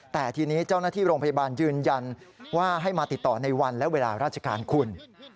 แต่ทีนี้เจ้าหน้าที่โรงพยาบาลยืนยันว่าให้มาติดต่อในวันและเวลาราชการคุณ